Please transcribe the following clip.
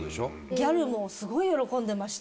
ギャルもすごい喜んでました。